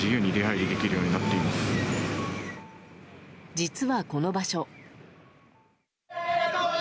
実は、この場所。